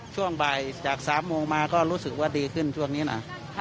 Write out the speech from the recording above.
ช่วงบ่ายจาก๓โมงมาก็รู้สึกว่าดีขึ้นช่วงนี้นะ